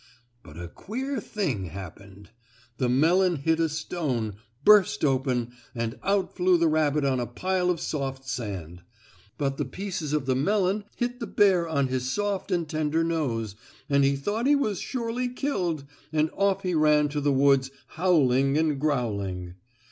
But a queer thing happened. The melon hit a stone, burst open and out flew the rabbit on a pile of soft sand. But the pieces of the melon hit the bear on his soft and tender nose, and he thought he was surely killed, and off he ran to the woods howling and growling.